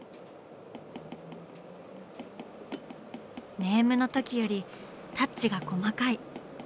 ネームの時よりタッチが細かい。